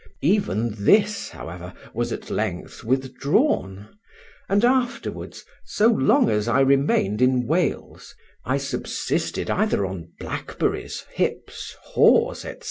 Even this, however, was at length withdrawn; and afterwards, so long as I remained in Wales, I subsisted either on blackberries, hips, haws, &c.